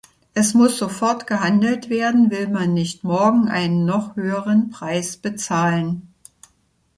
Es muss sofort gehandelt werden, will man nicht morgen einen noch höheren Preis bezahlen.